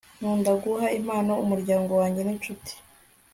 nkunda guha impano umuryango wanjye n'inshuti